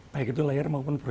baik itu layar maupun perut